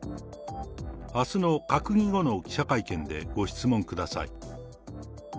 あすの閣議後の記者会見でご質問ください。